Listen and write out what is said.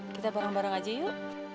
kita bareng bareng aja yuk